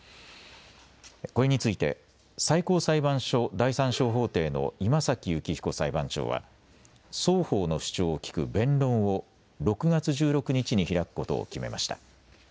これについて最高裁判所第３小法廷の今崎幸彦裁判長は双方の主張を聞く弁論を６月１６日に開くことを決めました。